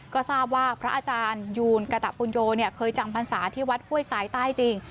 ก็ทราบว่าพระอาจารยูนกะตะปุญโยเคยจำพรรษาที่วัดห้วยสายใต้จริง